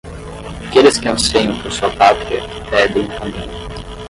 Aqueles que anseiam por sua pátria, pedem o caminho.